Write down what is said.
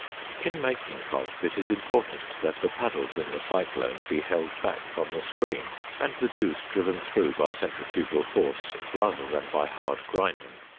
In making pulp it is important that the paddles in the cyclone be held back from the screen and the juice driven through by centrifugal force rather than by hard grinding.